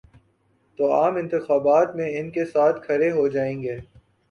تو عام انتخابات میں ان کے ساتھ کھڑے ہو جائیں گے۔